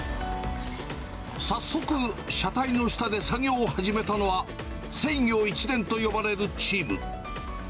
早速、車体の下で作業を始めたのは、制御一電と呼ばれるチーム。